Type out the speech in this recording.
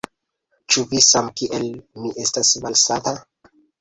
Ĉu vi samkiel mi estas malsata?